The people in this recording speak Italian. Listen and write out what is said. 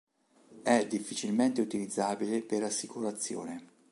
È difficilmente utilizzabile per assicurazione.